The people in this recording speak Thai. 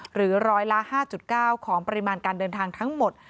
หรือร้อยละ๕๙ของปริมาณการเดินทางทั้งหมด